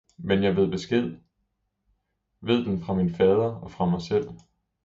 men jeg ved besked, ved den fra min fader og fra mig selv.